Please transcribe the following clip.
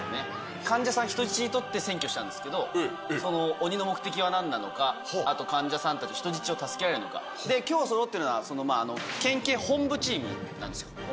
患者さんを人質にとって占拠したんですけど、鬼の目的は何なのか、あと、患者さんたち人質を助けられるのか、きょうそろってるのは、県警本部チームなんですよ。